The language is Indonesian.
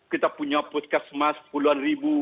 kita punya puskesmas puluhan ribu